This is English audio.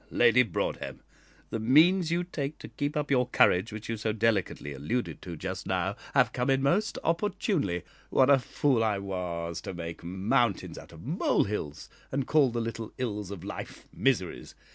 Lady Broadhem! the means you take to keep up your courage, which you so delicately alluded to just now, have come in most opportunely. What a fool I was to make mountains out of molehills, and call the little ills of life miseries!